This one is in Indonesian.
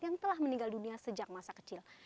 yang telah meninggal dunia sejak masa kecil